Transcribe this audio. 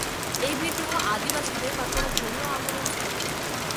এই বিদ্রোহ আদিবাসীদের বা কোনো ধর্মীয় আন্দোলন ছিলো না।